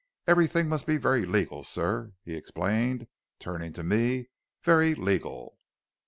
Everything must be very legal, sir,' he explained, turning to me, 'very legal.'